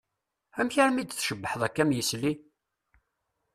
Amek armi d-tcebbḥeḍ akka am yisli?